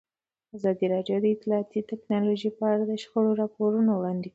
ازادي راډیو د اطلاعاتی تکنالوژي په اړه د شخړو راپورونه وړاندې کړي.